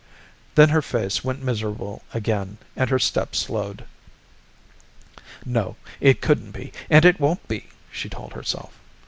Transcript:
Then her face went miserable again and her steps slowed. No, it couldn't be, and it won't be, she told herself.